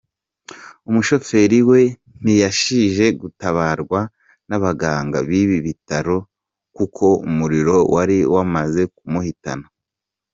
Umushoferi we ntiyashije gutabarwa n’abaganga b’ibi bitaro kuko umuriro wari wamaze kumuhitana.